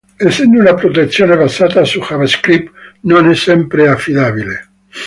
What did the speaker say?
Essendo una protezione basata su JavaScript non è sempre affidabile.